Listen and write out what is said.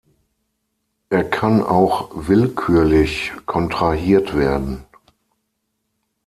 Er kann auch willkürlich kontrahiert werden.